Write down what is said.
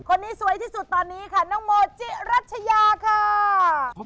คนนี้สวยที่สุดตอนนี้ค่ะน้องโมจิรัชยาค่ะ